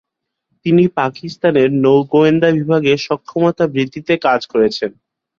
তিনি পাকিস্তানের নৌ গোয়েন্দা বিভাগের সক্ষমতা বৃদ্ধিতে কাজ করেছেন।